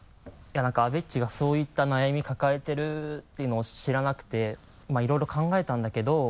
阿部っちがそういった悩み抱えてるっていうのを知らなくてまぁいろいろ考えたんだけど。